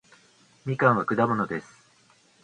みかんは果物です